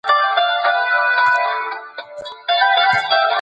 د حماسي کیسو د مطالعې لپاره باید اړوندو ځایونو ته لاړ شو.